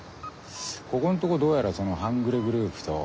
ここんとこどうやらその半グレグループと。